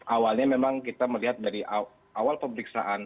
awalnya memang kita melihat dari awal pemeriksaan